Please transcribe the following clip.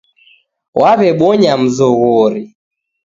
Wawebonya mzoghori.